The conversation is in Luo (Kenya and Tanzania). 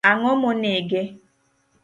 Ango monege.